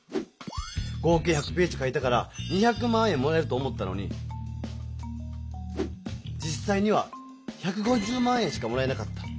合計１００ページかいたから２００万円もらえると思ったのに実さいには１５０万円しかもらえなかった。